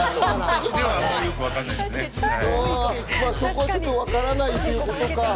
まあ、ちょっとよく分からないということか。